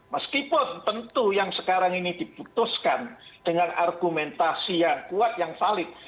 meskipun tentu yang sekarang ini diputuskan dengan argumentasi yang kuat yang valid